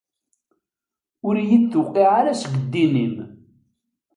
Ur iyi-d-tewqiɛ ara seg ddin-im.